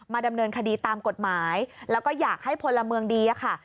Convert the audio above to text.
ดำเนินคดีตามกฎหมายแล้วก็อยากให้พลเมืองดีอะค่ะ